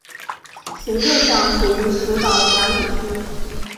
行政上属于石岛管理区。